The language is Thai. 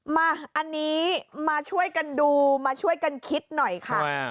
มาอันนี้มาช่วยกันดูมาช่วยกันคิดหน่อยค่ะ